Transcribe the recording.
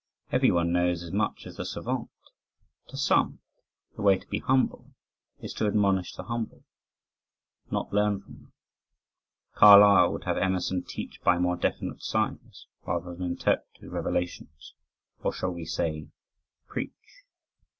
Everyone knows as much as the Savant." To some, the way to be humble is to admonish the humble, not learn from them. Carlyle would have Emerson teach by more definite signs, rather than interpret his revelations, or shall we say preach?